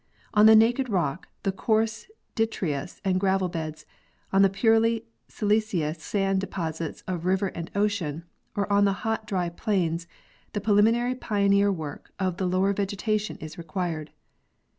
On the naked rock, the coarse detritus and gravel beds, on the purely siliceous sand deposits of river and ocean, or in the hot dry plains, the preliminary pioneer work of the lower vegetation is required.